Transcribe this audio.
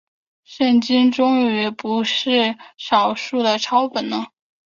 圣经终于不只是少数的抄本了。